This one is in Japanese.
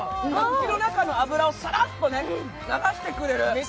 口の中の脂をさらっと流してくれる。